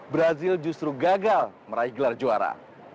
brazil justru gagal meraih gelar juara